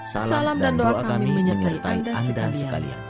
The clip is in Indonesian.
salam dan doa kami menyertai anda sekalian